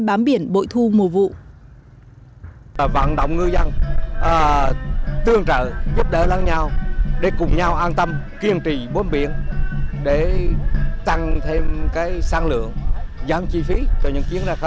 bám biển bội thu mùa vụ